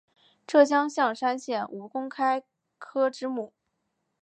浙江象山县吴公开科之墓